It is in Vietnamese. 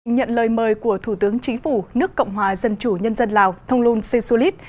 nhận lời mời của thủ tướng chính phủ nước cộng hòa dân chủ nhân dân lào thông luân si su lít